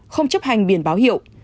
không chấp hành biển báo hiệu